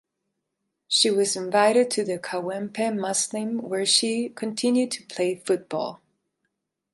She was invited to the Kawempe Muslim where she continued to play football.